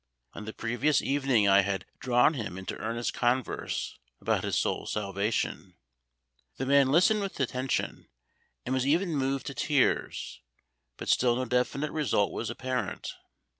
On the previous evening I had drawn him into earnest converse about his soul's salvation. The man listened with attention, and was even moved to tears, but still no definite result was apparent.